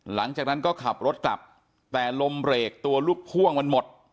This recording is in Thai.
หลังจากนั้นก็ขับรถกลับแต่ลมเบรกตัวลูกพ่วงมันหมด